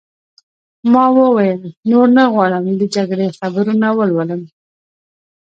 ما وویل: نور نه غواړم د جګړې خبرونه ولولم.